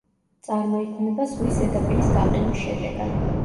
წარმოიქმნება ზღვის ზედაპირის გაყინვის შედეგად.